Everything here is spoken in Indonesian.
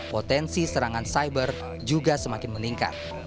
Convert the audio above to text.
potensi serangan cyber juga semakin meningkat